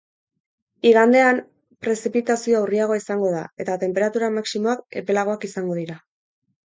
Igandean prezipitazioa urriagoa izango da eta tenperatura maximoak epelagoak izango dira.